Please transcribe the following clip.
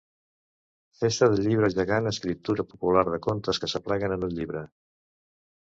Festa del Llibre Gegant: escriptura popular de contes que s'apleguen en un llibre.